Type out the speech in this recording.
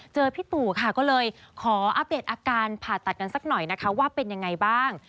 พี่ตู่ค่ะก็เลยขออัปเดตอาการผ่าตัดกันสักหน่อยนะคะว่าเป็นยังไงบ้าง